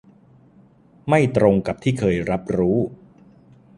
ไม่ตรงกับที่เคยรับรู้